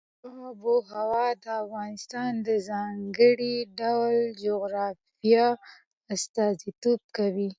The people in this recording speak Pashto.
آب وهوا د افغانستان د ځانګړي ډول جغرافیه استازیتوب کوي.